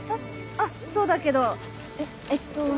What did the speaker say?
あっそうだけどえっと。